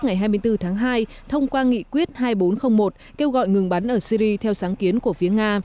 ngày hai mươi bốn tháng hai thông qua nghị quyết hai nghìn bốn trăm linh một kêu gọi ngừng bắn ở syri theo sáng kiến của phía nga